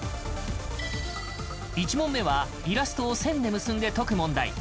１問目はイラストを線で結んで解く問題。